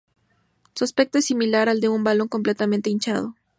Su aspecto es similar al de un balón completamente hinchado.